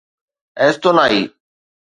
ايستونائي